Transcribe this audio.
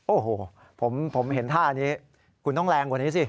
โอ้โหผมเห็นท่านี้คุณต้องแรงกว่านี้สิ